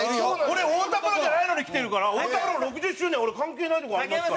俺太田プロじゃないのに来てるから太田プロ６０周年俺関係ないとこありますから。